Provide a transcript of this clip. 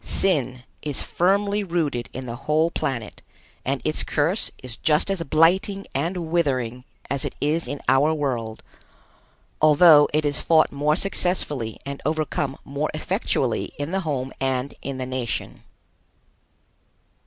Sin is firmly rooted in the whole planet and its curse is just as blighting and withering as it is in our world, although it is fought more successfully and overcome more effectually in the home and in the nation.